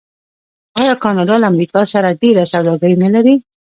آیا کاناډا له امریکا سره ډیره سوداګري نلري؟